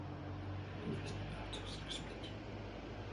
Je uvězněn a odsouzen k smrti.